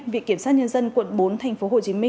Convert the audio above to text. vị kiểm sát nhân dân quận bốn tp hcm